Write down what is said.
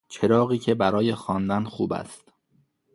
چراغی که برای خواندن خوب است